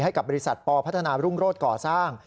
ให้กับบริษัทปพัฒนารุ่งโรศก่อสร้าง